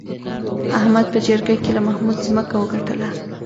احمد په جرګه کې له محمود ځمکه وګټله.